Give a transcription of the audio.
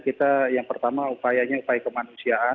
kita yang pertama upayanya upaya kemanusiaan